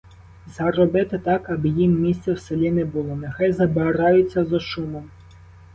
Зробити так, аби їм місця в селі не було, нехай забираються зо шумом.